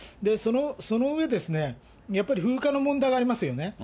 その上、やっぱり風化の問題がありますよね。